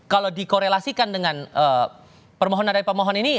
kalau dikorelasikan dengan permohonan dari pemohon ini